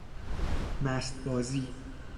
مستبازی